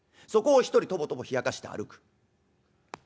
そこを一人とぼとぼひやかして歩く。